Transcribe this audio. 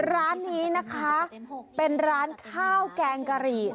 ร้านนี้นะคะเป็นร้านข้าวแกงกะหรี่